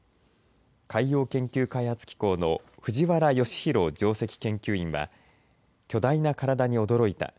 海洋研究開発機構の藤原義弘上席研究員は巨大な体に驚いた。